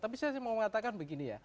tapi saya mau mengatakan begini ya